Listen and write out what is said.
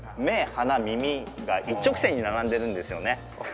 目鼻耳が一直線に並んでるんですよね。